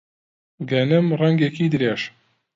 گەنم ڕەنگێکی درێژ